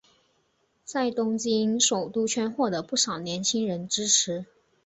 在东京首都圈获得不少年轻人支持。